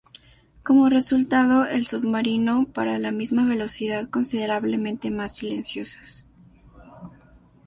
Como resultado, el submarino para la misma velocidad considerablemente más silenciosos.